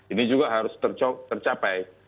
ini juga harus tercapai